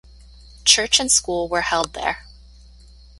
Church and school were held there.